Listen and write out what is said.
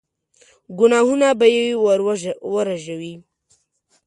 ګناهونه به يې ور ورژوي.